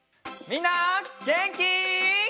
みんなげんき？